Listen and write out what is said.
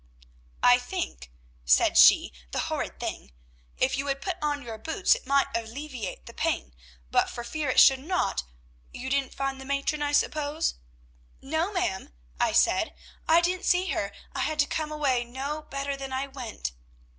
"'I think' said she (the horrid thing), 'if you would put on your boots, it might alleviate the pain; but for fear it should not you didn't find the matron, I suppose?' "'No, ma'am,' I said, 'I didn't see her; I had to come away no better than I went.'